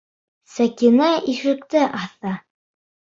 Сәкинә ишекте аҫа.